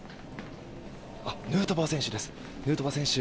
ヌートバー選手です。